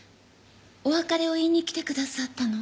お別れを言いに来てくださったの？